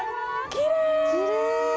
きれい！